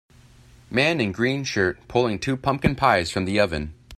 Man in green shirt pulling two pumpkin pies from the oven.